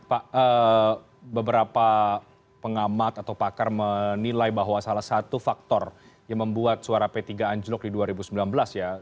pak beberapa pengamat atau pakar menilai bahwa salah satu faktor yang membuat suara p tiga anjlok di dua ribu sembilan belas ya